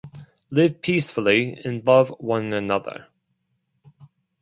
Live peacefully, and love one another.